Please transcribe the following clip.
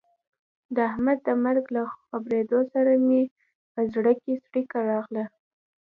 د احمد د مرګ له خبرېدو سره مې په زړه کې څړیکه راغله.